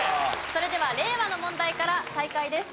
それでは令和の問題から再開です。